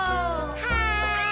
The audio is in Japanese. はい！